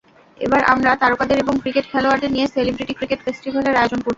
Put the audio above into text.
এবার আমরা তারকাদের এবং ক্রিকেট খেলোয়াড়দের নিয়ে সেলিব্রেটি ক্রিকেট ফেস্টিভ্যালের আয়োজন করছি।